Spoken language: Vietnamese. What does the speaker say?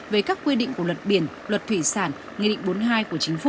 về các quy định của luật biển luật thủy sản nghị định bốn mươi hai của chính phủ